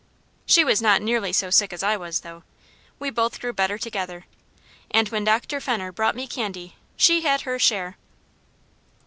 She was not nearly so sick as I was, though. We both grew better together, and, when Dr. Fenner brought me candy, she had her share.